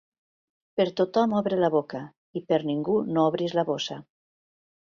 Per tothom obre la boca i per ningú no obris la bossa.